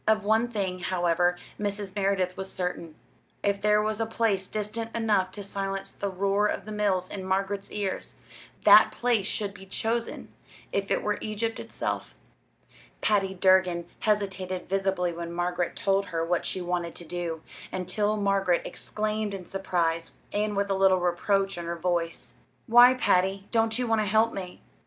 Of one thing, however, Mrs. Merideth was certain if there was a place distant enough to silence the roar of the mills in Margaret's ears, that place should be chosen if it were Egypt itself. Patty Durgin hesitated visibly when Margaret told her what she wanted to do, until Margaret exclaimed in surprise, and with a little reproach in her voice: "Why, Patty, don't you want to help me?"